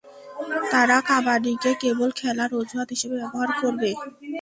তারা কাবাডিকে কেবল খেলার অজুহাত হিসেবে ব্যবহার করবে।